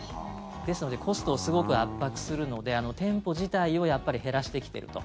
ですのでコストをすごく圧迫するので店舗自体をやっぱり減らしてきてると。